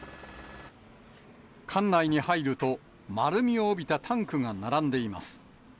艦内に入ると、丸みを帯びたタンクが並んでいます。